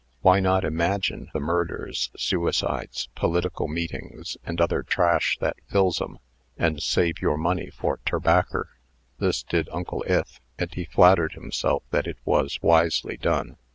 "Why not imagine the murders, suicides, political meetings, and other trash that fills 'em, and save your money for terbacker?" This did Uncle Ith, and he flattered himself that it was wisely done.